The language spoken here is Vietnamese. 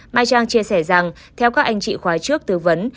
mai trang chia sẻ rằng theo các anh chị khóa trước tư vấn